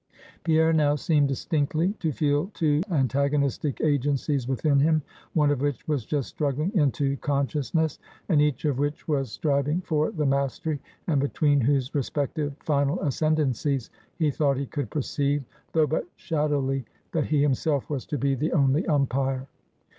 Pierre now seemed distinctly to feel two antagonistic agencies within him; one of which was just struggling into his consciousness, and each of which was striving for the mastery; and between whose respective final ascendencies, he thought he could perceive, though but shadowly, that he himself was to be the only umpire.